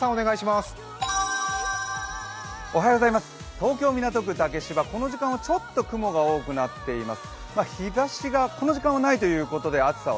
東京・港区竹芝、この時間はちょっと雲が多くなっています。